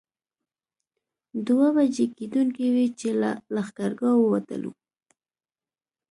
دوه بجې کېدونکې وې چې له لښکرګاه ووتلو.